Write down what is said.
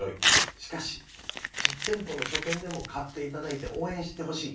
しかし実店舗の書店でも買っていただいて応援してほしい。